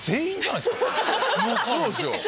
そうですよ。